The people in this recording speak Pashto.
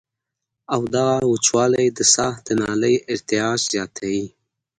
او دغه وچوالی د ساه د نالۍ ارتعاش زياتوي